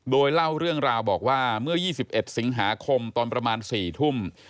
โดยเล่าเรื่องราวบอกว่าเมื่อ๒๑สิงหาคมตอนประมาณ๔ทุ่ม